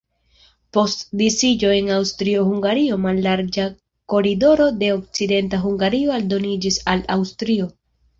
Post disiĝo de Aŭstrio-Hungario mallarĝa koridoro de Okcidenta Hungario aldoniĝis al Aŭstrio.